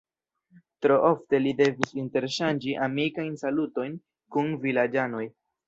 Tro ofte li devis interŝanĝi amikajn salutojn kun vilaĝanoj.